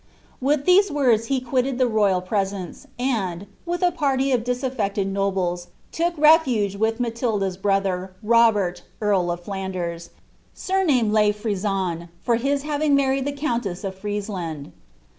' With these words he quilled the royal presence, and, with a party of disalTectcd nobles, took refuge with Matilda's brollier, Robert earl of Flanders, snmamed Le Prison, from his having married the counien of Friesland.